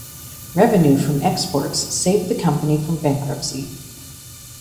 Revenue from exports saved the company from bankruptcy.